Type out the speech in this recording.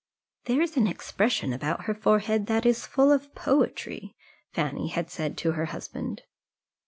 "There is an expression about her forehead that is full of poetry," Fanny had said to her husband.